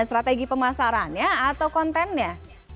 strategi pemasarannya atau kontennya